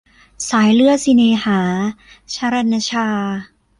สายเลือดสิเน่หา - ฌรัณฌา